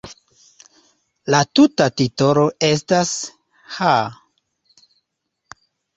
La tuta titolo estas "Ha!